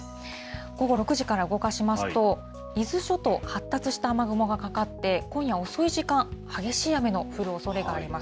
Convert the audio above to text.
午後６時から動かしますと、伊豆諸島、発達した雨雲がかかって、今夜遅い時間、激しい雨の降るおそれがあります。